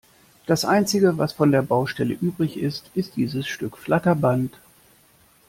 Das einzige, was von der Baustelle übrig ist, ist dieses Stück Flatterband.